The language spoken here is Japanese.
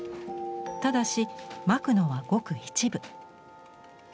ただしまくのはごく一部。